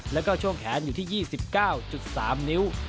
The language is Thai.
แล้วก็ช่วงแขนอยู่ที่๒๙๓นิ้ว